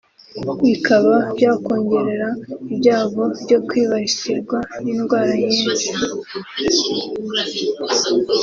bikaba byakongerera ibyago byo kwibasirwa n’indwara nyinshi